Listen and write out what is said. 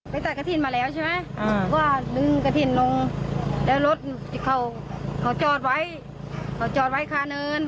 ไปตัดกระทินมาแล้วใช่ไหมก็ลึงกระทินลงแล้วรถเขาจอดไว้จอดไว้ค่าเนิน